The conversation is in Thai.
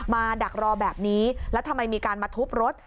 ดักรอแบบนี้แล้วทำไมมีการมาทุบรถ